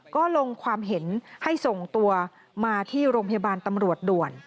ก็ลงความเห็นให้ส่งตัวมาที่โรงพยาบาลตำรวจด่วน